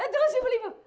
eh terus yuk beli pak